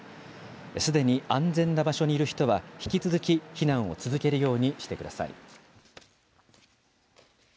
すでに安全な場所にいる人は、引き続き避難を続けるようにしてください。